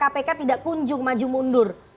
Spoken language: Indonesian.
kpk tidak kunjung maju mundur